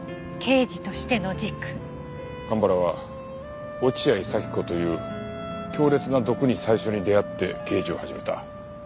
蒲原は落合佐妃子という強烈な毒に最初に出会って刑事を始めた。